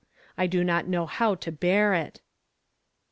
I do not know how to bear it!"